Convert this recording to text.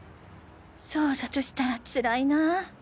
そうだとしたらつらいなぁ。